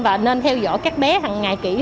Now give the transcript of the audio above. và nên theo dõi các bé hằng ngày kiểm tra